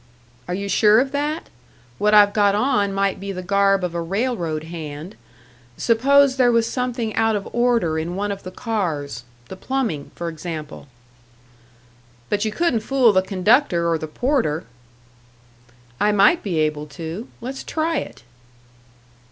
"Are you sure of that? What I've got on might be the garb of a railroad hand. Suppose there was something out of order in one of the cars the plumbing, for example?" "But you couldn't fool the conductor or the porter." "I might be able to. Let's try it."